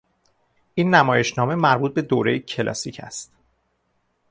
این نمایشنامه مربوط به دورهی کلاسیک است.